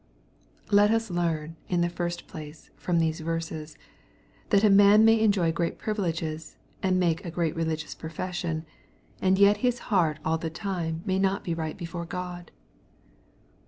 Let us learn, in the first place, from these verses, Hiai a man may enjoy great privileges^ and niaJce a great reli^ giotts profession, and yet his heart aU the time may noi be right before God.